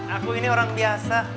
aku ini orang biasa